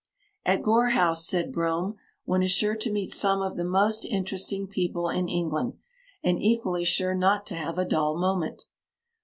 "At Gore House," said Brougham, "one is sure to meet some of the most interesting people in England, and equally sure not to have a dull moment."